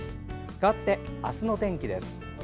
かわって、明日の天気です。